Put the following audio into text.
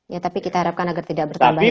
ya tapi kita harapkan agar tidak bertambah ya dok